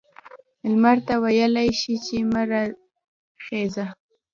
لمر ته ویلای شي چې مه را خیژه؟